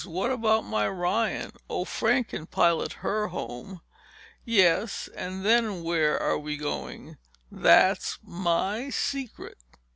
"What about my Ryan?" "Oh, Frank can pilot her home." "Yes? And then where are we going?" "That's my secret.